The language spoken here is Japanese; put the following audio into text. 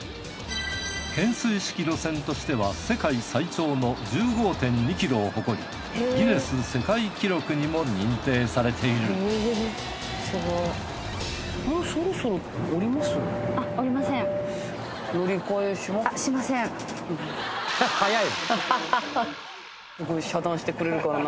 懸垂式路線としては世界最長の１５．２ｋｍを誇りギネス世界記録にも認定されている早い！